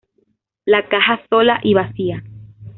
La caja sola y vacía.